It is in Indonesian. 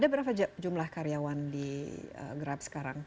ada berapa jumlah karyawan di grab sekarang